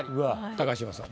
高島さん